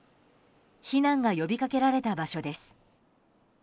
避難が呼びかけられた場所です。